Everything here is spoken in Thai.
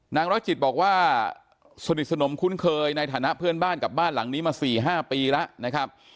ร้อยจิตบอกว่าสนิทสนมคุ้นเคยในฐานะเพื่อนบ้านกับบ้านหลังนี้มา๔๕ปีแล้วนะครับ